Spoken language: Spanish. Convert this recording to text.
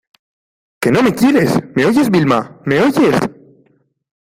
que no me quieres! ¿ me oyes, Vilma? ¿ me oyes ?